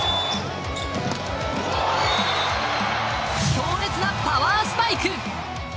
強烈なパワースパイク。